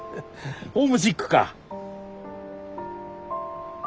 ホームシックか？